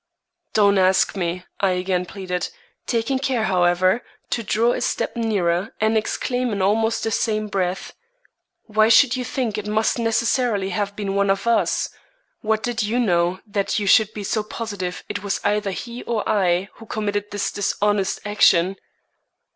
"Don't ask me," I again pleaded, taking care, however, to draw a step nearer and exclaim in almost the same breath: "Why should you think it must necessarily have been one of us? What did you know that you should be so positive it was either he or I who committed this dishonest action?"